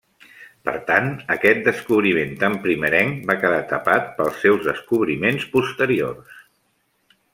Per tant aquest descobriment tan primerenc va quedar tapat pels seus descobriments posteriors.